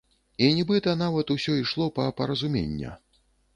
І нібыта нават усё ішло па паразумення.